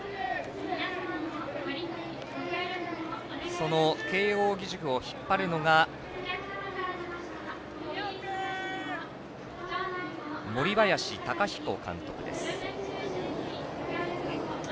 その慶応義塾を引っ張るのが森林貴彦監督です。